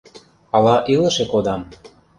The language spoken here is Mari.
Ала илыше кодам.